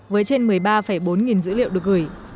với trên một mươi ba bốn nghìn dữ liệu được gửi